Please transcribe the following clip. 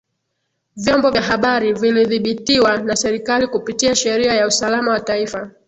Vyombo vya habari vilidhibitiwa na serikali kupitia Sheria ya Usalama wa Taifa